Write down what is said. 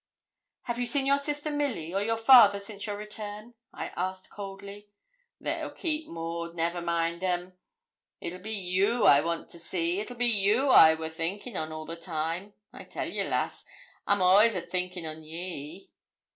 'Have you seen your sister, Milly, or your father, since your return?' I asked coldly. 'They'll keep, Maud, never mind 'em; it be you I want to see it be you I wor thinkin' on a' the time. I tell ye, lass, I'm all'ays a thinkin' on ye.'